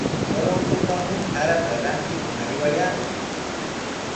Corongopami sarata rantikuq aywayanqa.